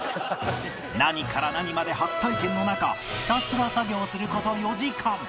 何から何まで初体験の中ひたすら作業する事４時間